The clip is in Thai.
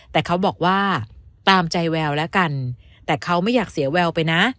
แต่เขาบอกว่าตามใจแววแล้วกันแต่เขาไม่อยากเสียแววไปนะ